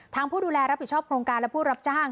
ผู้ดูแลรับผิดชอบโครงการและผู้รับจ้าง